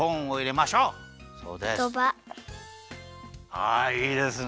はいいいですね。